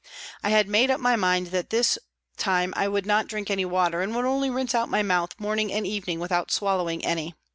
I had made up my mind that this time I would not drink any water, and would only rinse out my mouth morning and evening without swallowing any.